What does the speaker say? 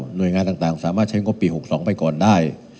โดยงานต่างสามารถใช้งบปี๖๒ไปก่อนได้